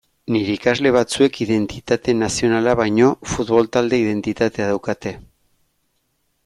Nire ikasle batzuek identitate nazionala baino futbol-talde identitatea daukate.